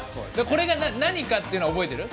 これが何かっていうのは覚えてる？